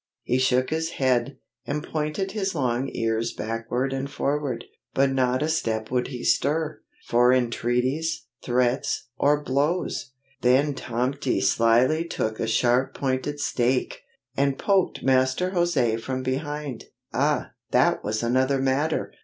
He shook his head, and pointed his long ears backward and forward, but not a step would he stir, for entreaties, threats, or blows. Then Tomty slyly took a sharp pointed stake, and poked Master José from behind. Ah, that was another matter!